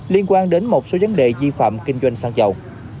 liên quan đến một số vấn đề di phạm kinh doanh xăng dầu